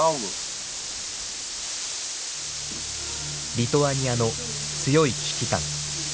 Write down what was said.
リトアニアの強い危機感。